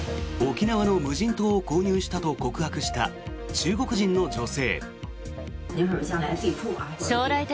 沖縄の無人島を購入したと告白した中国人の女性。